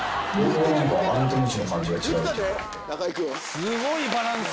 すごいバランス！